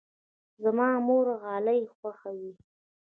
زما مور غالۍ خوښوي.